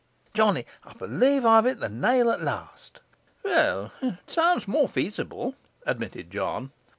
Johnny, I believe I've hit the nail at last.' 'Well, it sounds more feasible,' admitted John.